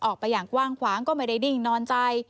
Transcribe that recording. ออกไปอย่างกว้างขวางก็ไม่ได้ดิ้งนอนใจ